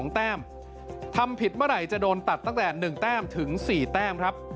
แต้มทำผิดเมื่อไหร่จะโดนตัดตั้งแต่๑แต้มถึง๔แต้มครับ